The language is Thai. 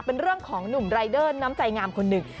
เป็นเรื่องของหนุ่มรายเดอร์น้ำใจงามคนหนึ่ง